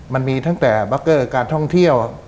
มันมีตั้งแต่บัคเกอร์การท่องเที่ยว